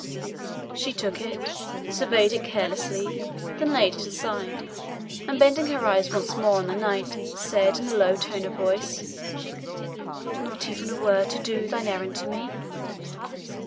She took it, surveyed it carelessly, then laid it aside, and bending her eyes once more on the knight, she said in a low tone, "Not even a word to do thine errand to me?"